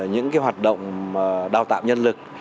những hoạt động đào tạo nhân lực